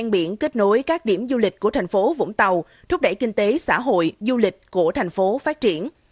biển kết nối các điểm du lịch của tp vũng tàu thúc đẩy kinh tế xã hội du lịch của tp phát triển